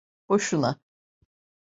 Boşuna.